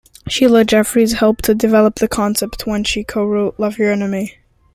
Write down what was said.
Sheila Jeffreys helped to develop the concept when she co-wrote Love Your Enemy?